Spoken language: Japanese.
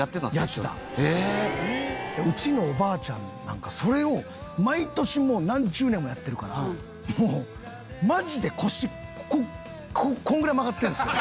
うちのおばあちゃんなんかそれを毎年もう何十年もやってるからもうマジで腰こんぐらい曲がってるんですよ。